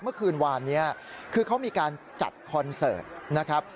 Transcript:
เมื่อคืนวานนี้คือเขามีการจัดคอนเสิร์ตนะครับ